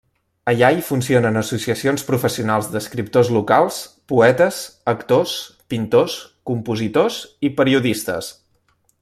Allà hi funcionen associacions professionals d'escriptors locals, poetes, actors, pintors, compositors i periodistes.